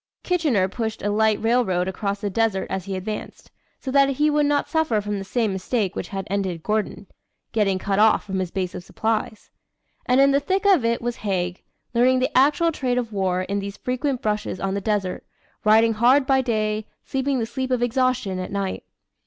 Kitchener pushed a light railroad across the desert as he advanced, so that he would not suffer from the same mistake which had ended Gordon getting cut off from his base of supplies. And in the thick of it was Haig learning the actual trade of war in these frequent brushes on the desert riding hard by day, sleeping the sleep of exhaustion at night.